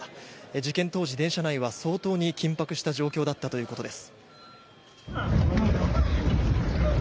事件当時、電車内は相当に緊迫した状況だったということです。